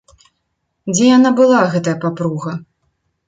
Дзе яна была, гэтая папруга?